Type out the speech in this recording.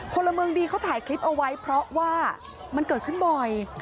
พลเมืองดีเขาถ่ายคลิปเอาไว้เพราะว่ามันเกิดขึ้นบ่อย